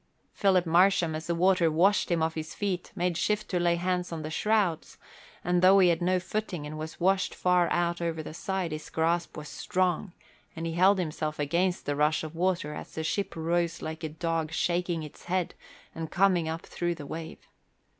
Philip Marsham, as the water washed him off his feet, made shift to lay hands on the shrouds, and though he had no footing and was washed far out over the side, his grasp was strong and he held himself against the rush of water as the ship rose like a dog shaking its head and coming up through a wave.